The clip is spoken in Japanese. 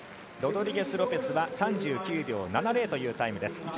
ロドリゲスロペスは３９秒７０というタイムです。